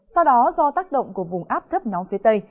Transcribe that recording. sau đó do tác động của vùng áp thấp nóng phía tây